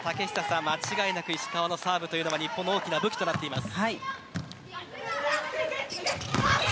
間違いなく石川のサーブは日本の大きな武器となっています。